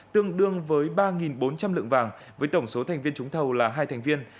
tương đương với ba bốn trăm linh lượng vàng với tổng số thành viên trúng thầu là hai thành viên